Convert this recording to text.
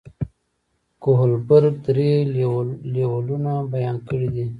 کوهلبرګ درې لیولونه بیان کړي دي.